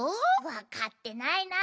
わかってないな。